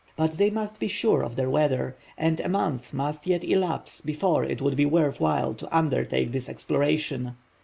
But they must be sure of their weather, and a month must yet elapse before it would be worth while to undertake this exploration.